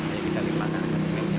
jadi kita limahkan asesinnya